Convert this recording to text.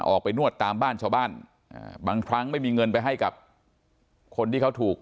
ออกไปนวดตามบ้านชาวบ้านบางครั้งไม่มีเงินไปให้กับคนที่เขาถูก